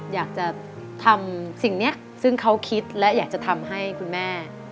อยากจะทำสิ่งนี้ซึ่งเขาคิดและอยากจะทำให้คุณแม่